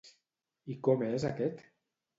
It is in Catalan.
I com és aquest?